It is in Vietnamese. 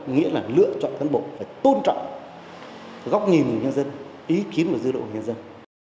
nghĩa là lựa chọn cán bộ phải tôn trọng góc nhìn của nhân dân ý kiến và dư độ của nhân dân